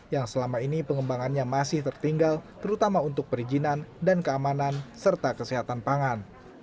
yang selama ini pengembangannya masih tertinggal terutama untuk perizinan dan keamanan serta kesehatan pangan